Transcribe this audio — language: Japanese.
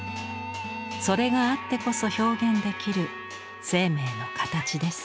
それがあってこそ表現できる生命の形です。